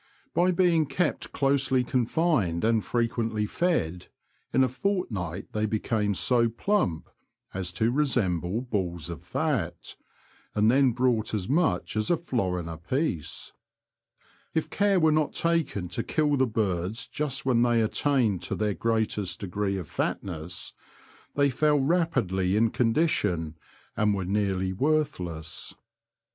By being kept closely confined and frequently fed, in a fort night they became so plump as to resemble balls of fat, and then brought as much as a florin a piece. If care were not taken to kill the birds just when they attained to their greatest degree of fatness they fell rapidly in condition, and were nearly worthless.